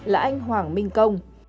là anh hoàng minh công